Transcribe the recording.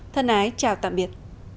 thân ái chào tạm biệt